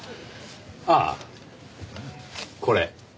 ああこれ。